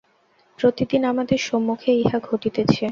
প্রতিদিন আমাদের সম্মুখে ইহা ঘটিতেছে।